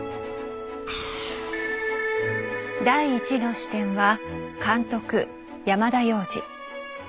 第１の視点は監督山田洋次。